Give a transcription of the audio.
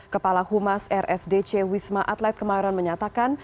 kepala humas rsdc wisma atlet kemayoran menyatakan